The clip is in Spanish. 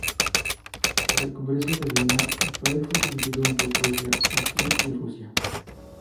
Tras el Congreso de Viena, el país fue dividido entre Prusia, Austria y Rusia.